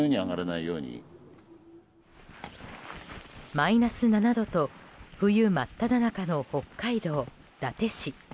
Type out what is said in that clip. マイナス７度と冬真っただ中の北海道伊達市。